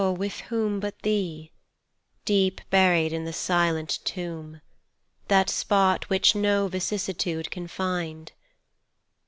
with whom But Thee, deep buried in the silent tomb, That spot which no vicissitude can find?